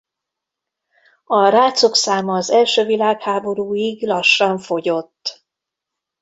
A rácok száma az első világháborúig lassan fogyott.